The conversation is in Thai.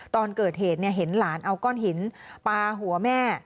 ตอนเกิดเหตุเห็นหลานเอาก้อนหินปลาหัวแม่